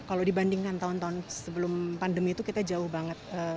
kalau dibandingkan tahun tahun sebelum pandemi itu kita jauh banget